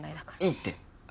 いいって。